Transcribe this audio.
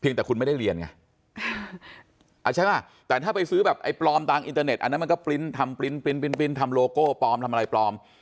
เพียงแต่คุณไม่ได้เรียนไงแต่ถ้าไปซื้อแบบไอ้ปลอมต่างอินเตอร์เน็ตอันนั้นมันก็ปริ้นทำปริ้นปริ้นปริ้นทำโลโก้ปลอมทำอะไรปลอม